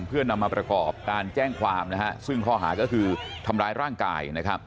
เพื่อนำมาประกอบการแจ้งความนะฮะซึ่งข้อหาก็คือทำร้ายร่างกายนะครับ